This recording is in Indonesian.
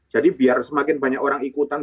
biar semakin banyak orang ikutan